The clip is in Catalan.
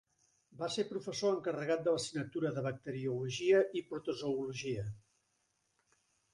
Va ser Professor encarregat de l'assignatura de Bacteriologia i Protozoologia.